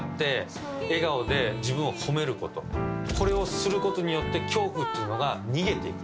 これをすることによって恐怖っていうのが逃げていく。